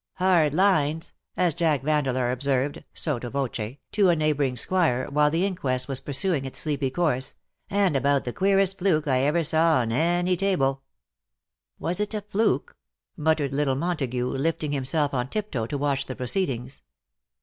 '^ Hard lines/' as Jack Vandeleur observed, sotto voce, to a neighbouring squire, while the inquest was pursuing its sleepy course, " and about the queerest fluke I ever saw on any table/' "Was it a fluke?" muttered little Montagu, lifting himself on tiptoe to watch the proceedings.